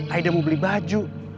aida mau beli baju